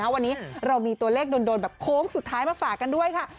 วันนี้เรามีตัวเลขโดนแบบโค้งสุดท้ายมาฝากกันด้วยค่ะ